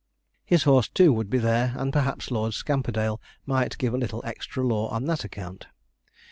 His horse, too, would be there, and perhaps Lord Scamperdale might give a little extra law on that account.